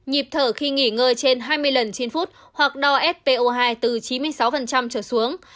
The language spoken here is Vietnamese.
nhịp thở khi nghỉ ngơi trên hai mươi lần trên phút hoặc đo s po hai từ chín mươi sáu trở xuống